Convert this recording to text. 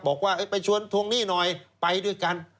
บอกว่าไปชวนทวงหนี้หน่อยไปด้วยกัน